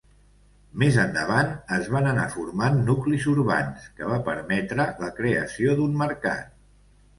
Més endavant, es van anar formant nuclis urbans, que va permetre la creació d'un mercat.